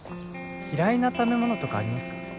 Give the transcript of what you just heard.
嫌いな食べ物とかありますか？